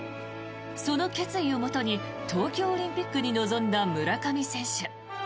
その決意をもとに東京オリンピックに臨んだ村上選手。